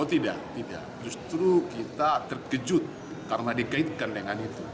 oh tidak tidak justru kita terkejut karena dikaitkan dengan itu